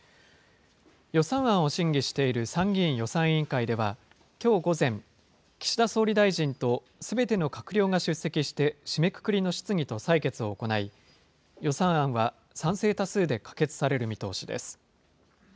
予算案を審議している参議院予算委員会では、きょう午前、岸田総理大臣とすべての閣僚が出席して、締めくくりの質疑と採決を行い、予算案は賛成多数で可決される見通しです。